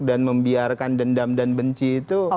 dan membiarkan dendam dan benci itu